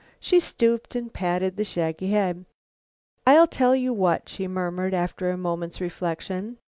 She stooped and patted the shaggy head. "I'll tell you what," she murmured, after a moment's reflection.